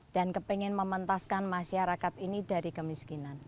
dan kepengen mementaskan masyarakat ini dari kemiskinan